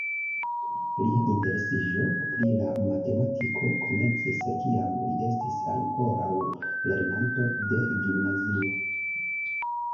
Lia interesiĝo pri la matematiko komencis kiam li estis ankoraŭ lernanto de gimnazio.